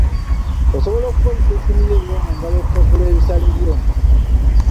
Osobola okukozesa essimu yo eyoomungalo okusasula ebisale byo.